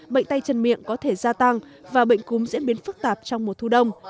bệnh tay chân miệng có thể gia tăng và bệnh cúm diễn biến phức tạp trong mùa thu đông